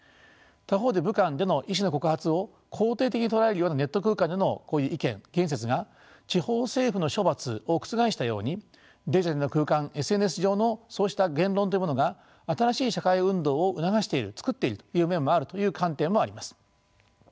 他方で武漢での医師の告発を肯定的に捉えるようなネット空間でのこういう意見紀元節が地方政府の処罰を覆したようにデジタルな空間ＳＮＳ上のそうした言論というものが新しい社会運動を促している作っているという面もあるという観点もあります。